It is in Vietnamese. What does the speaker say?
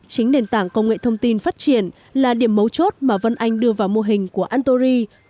chính nền tảng công nghệ thông tin phát triển là điểm mấu chốt mà vân anh đưa vào mô hình của antory